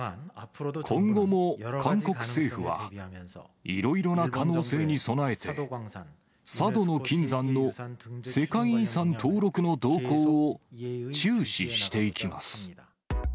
今後も韓国政府は、いろいろな可能性に備えて、佐渡島の金山の世界遺産登録の動向を注視していきます。